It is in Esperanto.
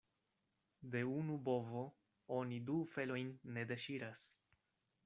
De unu bovo oni du felojn ne deŝiras.